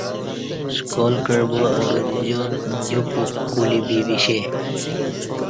سکال کعہ با اہ گرجار دیو پ وک کولی بی ویشے